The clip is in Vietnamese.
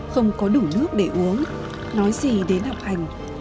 không có đủ nước để uống nói gì đến học hành